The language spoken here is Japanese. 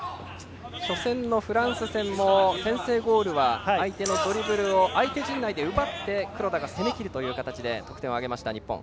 初戦のフランス戦も先制ゴールは相手のドリブルを相手陣内で奪って黒田が攻め切るという形で得点を挙げた日本。